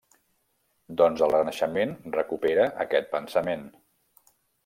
Doncs el Renaixent recupera aquest pensament.